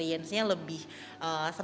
karena kan di rumah kita lebih suka makan sayur